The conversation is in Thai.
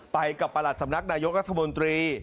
ไปกับประหลัดสำนักนายกรัฐมนตรี